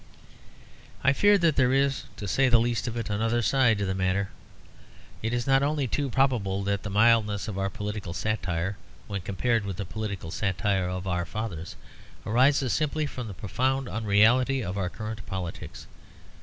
I fear that there is, to say the least of it, another side to the matter. Is it not only too probable that the mildness of our political satire, when compared with the political satire of our fathers, arises simply from the profound unreality of our current politics?